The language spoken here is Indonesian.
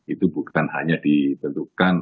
itu bukan hanya ditentukan